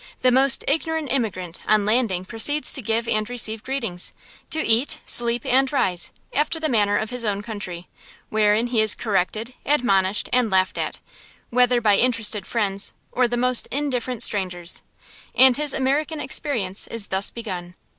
The most ignorant immigrant, on landing proceeds to give and receive greetings, to eat, sleep and rise, after the manner of his own country; wherein he is corrected, admonished, and laughed at, whether by interested friends or the most indifferent strangers; and his American experience is thus begun.